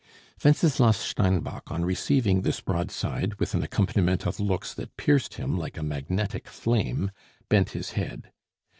Wenceslas Steinbock, on receiving this broadside, with an accompaniment of looks that pierced him like a magnetic flame, bent his head.